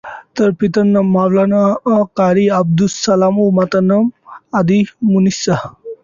তার পিতার নাম মাওলানা ক্বারী আবদুস সালাম ও মাতার নাম আদিমুন্নিছা।